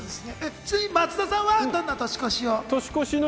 ちなみに松田さんはどんな年越しを？